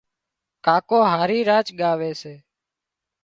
ڪاڪو هارِي راچ ڳاوي سي